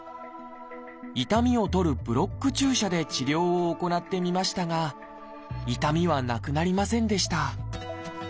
痛みを取るブロック注射で治療を行ってみましたが痛みはなくなりませんでした